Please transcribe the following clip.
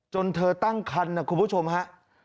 เธอตั้งคันนะคุณผู้ชมฮะ